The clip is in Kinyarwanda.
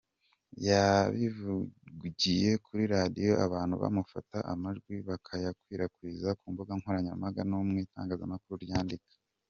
Yabivugiye kuri radiyo abantu bamufata amajwi bayakwirakwiza ku mbugankoranyambaga no mu itangazamakuru ryandika.